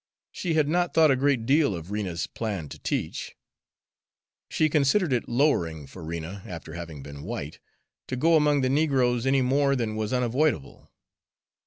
She had not thought a great deal of Rena's plan to teach; she considered it lowering for Rena, after having been white, to go among the negroes any more than was unavoidable.